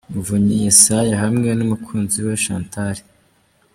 Muvunyi Yesaya hamwe n'umukunzi we Chantal.